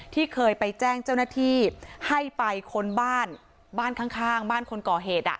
ที่เคยไปแจ้งเจ้าหน้าที่ให้ไปค้นบ้านบ้านข้างบ้านคนก่อเหตุ